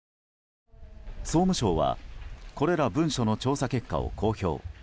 総務省はこれら文書の調査結果を公表。